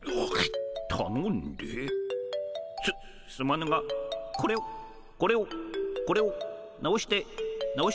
すすまぬがこれをこれをこれを直して直して。